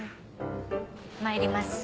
参ります。